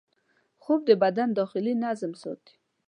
خوب د بدن داخلي نظم ساتي